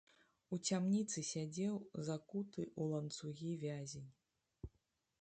У цямніцы сядзеў закуты ў ланцугі вязень.